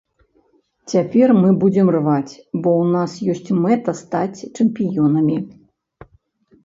Цяпер мы будзем рваць, бо ў нас ёсць мэта стаць чэмпіёнамі.